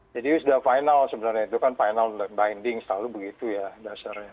jadi sudah final sebenarnya itu kan final binding selalu begitu ya dasarnya